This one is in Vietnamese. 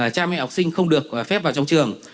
cha mẹ học sinh không được phép vào trong trường